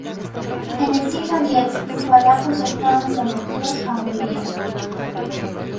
En el siglo X los valacos ya estaban sometidos a Hungría.